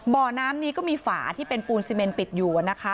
บ่อน้ำนี้ก็มีฝาที่เป็นปูนซีเมนปิดอยู่นะคะ